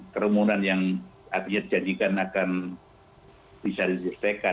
keremunan yang akhirnya dijanjikan akan bisa diselesaikan